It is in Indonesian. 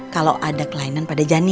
kalau ada kelainan pada janin